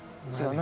何？